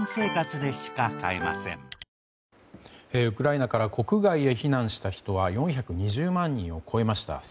ウクライナから国外へ避難した人は４２０万人を超えました。